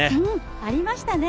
ありましたね。